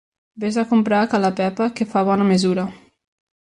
Ves a comprar a ca la Pepa, que fa bona mesura.